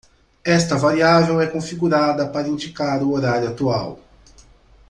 Esta variável é configurada para indicar o horário atual.